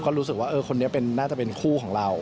ก็รู้สึกว่าคนนี้น่าจะเป็นคู่ของเรา